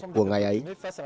của ngày ấy